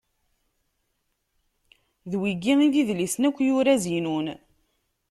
D wigi i d idlisen akk yura Zinun.